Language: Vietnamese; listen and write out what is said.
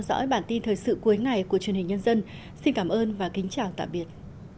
xin cảm ơn và kính chào tạm biệt